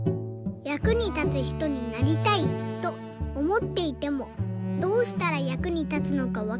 「役に立つひとになりたいとおもっていてもどうしたら役に立つのかわかりません。